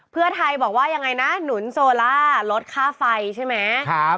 เพื่อไทยบอกว่ายังไงนะหนุนโซล่าลดค่าไฟใช่ไหม